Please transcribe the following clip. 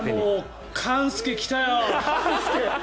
勘介、来たよ！